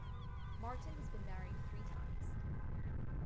Marton has been married three times.